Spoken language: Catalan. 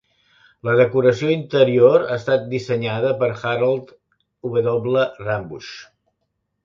La decoració interior ha estat dissenyada per Harold W. Rambusch.